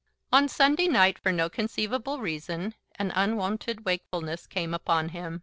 On Sunday night, for no conceivable reason, an unwonted wakefulness came upon him.